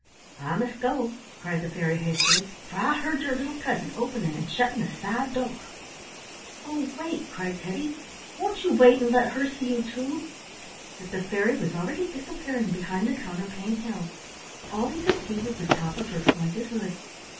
"I must go," cried the fairy, hastily, "for I heard your little cousin opening and shutting the side door." "Oh, wait!" cried Teddy. "Won't you wait and let her see you too?" But the fairy was already disappearing behind the counterpane hill. All he could see was the top of her pointed hood.